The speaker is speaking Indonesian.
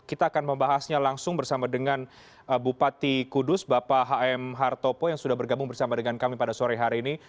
kita akan membahasnya langsung bersama dengan bupati kudus bapak hm hartopo yang sudah bergabung bersama dengan kami pada sore hari ini